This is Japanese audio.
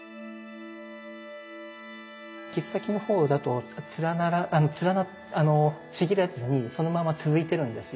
切先のほうだとちぎれずにそのまま続いてるんですよ。